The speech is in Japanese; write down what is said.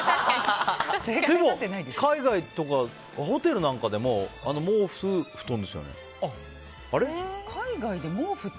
海外とかホテルなんかでも毛布、布団ですよね。